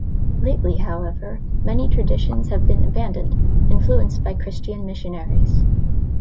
Lately, however, many traditions have been abandoned, influenced by Christian missionaries.